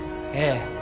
ええ。